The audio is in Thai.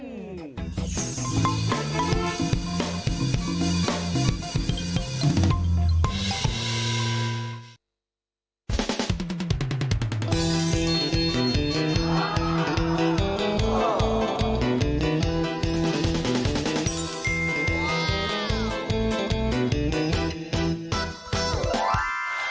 ซุปรอะกาศ